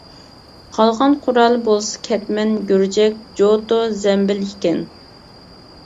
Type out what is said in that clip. قالغان قورالى بولسا كەتمەن، گۈرجەك، جوتۇ، زەمبىل. ئىكەن.